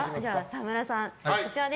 沢村さん。